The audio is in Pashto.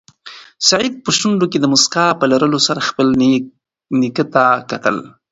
سعید په شونډو کې د موسکا په لرلو سره خپل نیکه ته کتل.